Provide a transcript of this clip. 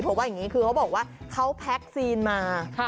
เพราะว่าอย่างนี้คือเขาบอกว่าเขาแพ็คซีนมา